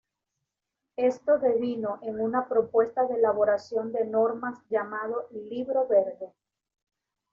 Esto devino en una propuesta de elaboración de normas llamado "Libro Verde".